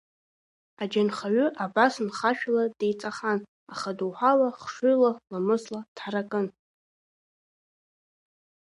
Аџьанхаҩы абас нхашәала деиҵахан, аха доуҳала, хшыҩла, ламысла дҳаракын.